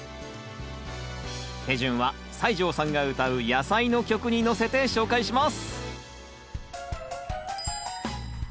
手順は西城さんが歌うやさいの曲にのせて紹介します！